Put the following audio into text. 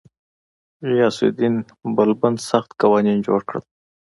غیاث الدین بلبن سخت قوانین جوړ کړل.